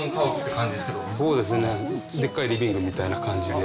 でっかいリビングみたいな感じで。